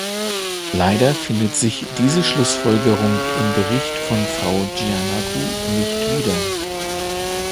Leider findet sich diese Schlussfolgerung im Bericht von Frau Giannakou nicht wieder.